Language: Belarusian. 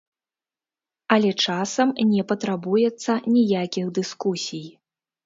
Але часам не патрабуецца ніякіх дыскусій.